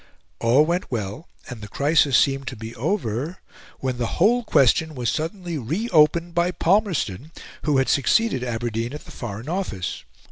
All went well, and the crisis seemed to be over, when the whole question was suddenly re opened by Palmerston, who had succeeded Aberdeen at the Foreign Office.